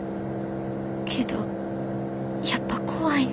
けどやっぱ怖いな。